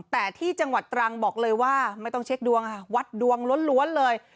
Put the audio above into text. แต่ที่จังหวัดตรังบอกเลยว่าไม่ต้องเช็คดวงค่ะวัดดวงล้วนเลย